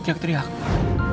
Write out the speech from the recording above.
tidak teriak pak